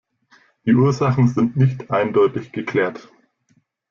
Die Ursachen sind nicht eindeutig geklärt.